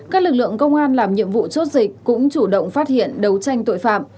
các lực lượng công an làm nhiệm vụ chốt dịch cũng chủ động phát hiện đấu tranh tội phạm